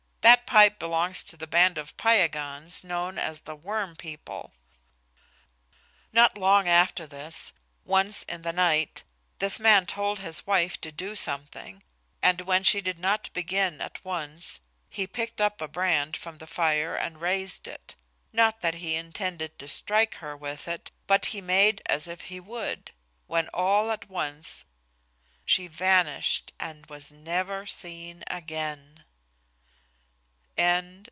That pipe belongs to the band of Piegans known as the Worm People. Not long after this, once in the night, this man told his wife to do something, and when she did not begin at once he picked up a brand from the fire and raised it not that he intended to strike her with it, but he made as if he would when all at once she vanished and was never seen again.